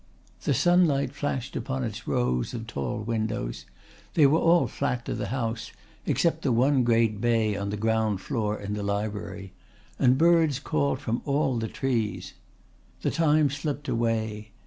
The sunlight flashed upon its rows of tall windows they were all flat to the house, except the one great bay on the ground floor in the library and birds called from all the trees. The time slipped away.